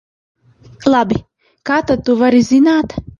Labi, kā tad tu vari zināt?